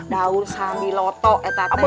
daun sambil otot